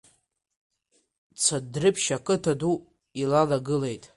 Цандрыԥшь ақыҭа ду илалагылеит.